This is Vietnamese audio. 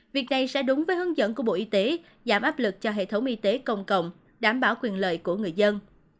việc này sẽ đúng với hướng dẫn của bộ y tế giảm áp lực cho hệ thống y tế công cộng đảm bảo quyền lợi của người dân